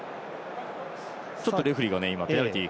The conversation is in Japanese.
ちょっとレフリーがペナルティ